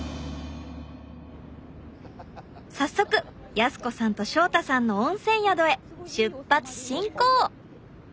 早速靖子さんと祥太さんの温泉宿へ出発進行！